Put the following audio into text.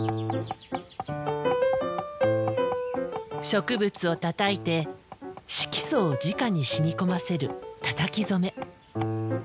植物をたたいて色素をじかに染み込ませる「たたき染め」。